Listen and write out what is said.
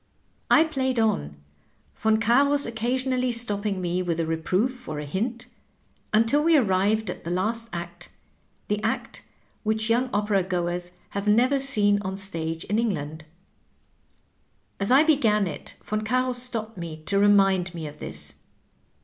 I played on. Yon Carus occasionally stopping me with a reproof or a hint, until we arrived at the last act, the act which young opera goers have never seen on the stage in England. As I began it Yon Carus stopped me to remind me of this.